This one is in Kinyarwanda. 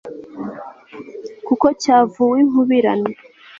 kuko cyavuwe inkubirane